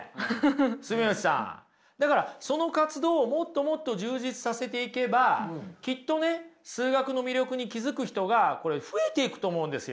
住吉さんだからその活動をもっともっと充実させていけばきっとね数学の魅力に気付く人がこれ増えていくと思うんですよ。